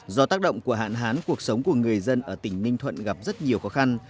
do tác động của hạn hán cuộc sống của người dân ở tỉnh ninh thuận gặp rất nhiều khó khăn